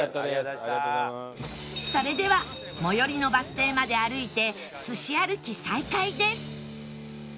それでは最寄りのバス停まで歩いてすし歩き再開です